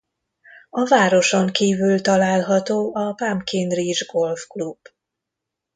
A városon kívül található a Pumpkin Ridge Golf Club.